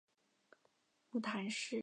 母谈氏。